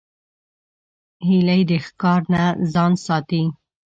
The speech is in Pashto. هیلۍ د ښکار نه ځان ساتي